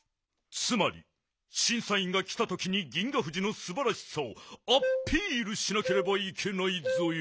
つまりしんさいんがきたときに銀河フジのすばらしさをアッピールしなければいけないぞよ。